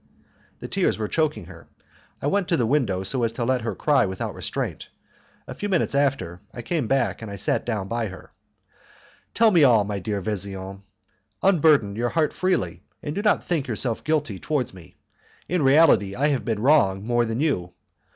The tears were choking her: I went to the window so as to let her cry without restraint: a few minutes after, I came back and I sat down by her. "Tell me all, my dear Vesian, unburden your heart freely, and do not think yourself guilty towards me; in reality I have been wrong more than you.